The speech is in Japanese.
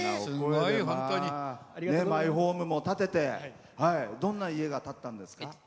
マイホームも建ててどんな家が建ったんですか？